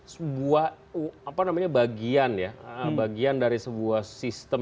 sebuah bagian ya bagian dari sebuah sistem